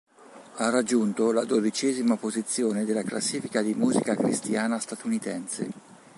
Ha raggiunto la dodicesima posizione della classifica di musica cristiana statunitense.